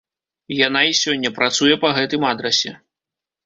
Яна і сёння працуе па гэтым адрасе.